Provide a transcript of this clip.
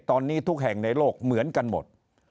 ตอนนี้ทุกแห่งในโลกเหมือนกันหมด